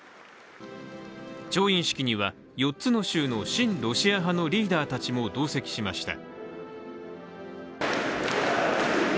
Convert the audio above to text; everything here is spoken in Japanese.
調印式には４つの州の親ロシア派のリーダーたちも同席しました。